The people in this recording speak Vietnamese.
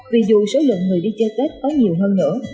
vì dù số lượng người đi chơi tết có nhiều hơn nữa